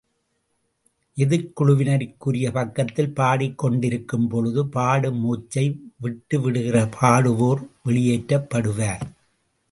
எதிர்க்குழுவினருக்குரிய பக்கத்தில் பாடிக் கொண்டிருக்கும்பொழுது, பாடும் மூச்சை விட்டுவிடுகிற பாடுவோர் வெளியேற்றப்படுவார்.